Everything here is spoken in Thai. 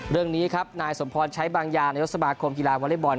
เรื่องนี้ครับนายสมพรณ์ชัยบางยานโยชน์สมาคมกีฬาวอเล็ตบอล